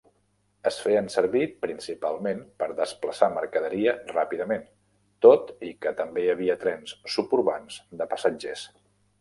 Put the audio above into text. Es feien servir principalment per desplaçar mercaderia ràpidament, tot i que també hi havia trens suburbans de passatgers.